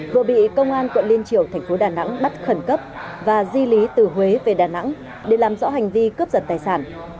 vừa bị công an quận liên triều thành phố đà nẵng bắt khẩn cấp và di lý từ huế về đà nẵng để làm rõ hành vi cướp giật tài sản